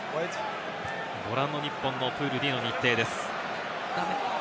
ご覧の日本のプールＤの日程です。